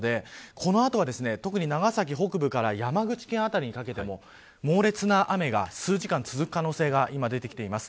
この後は、特に長崎北部から山口県辺りにかけても猛烈な雨が数時間続く可能性が今出てきています。